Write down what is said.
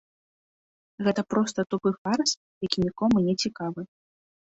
Гэта проста тупы фарс, які нікому не цікавы.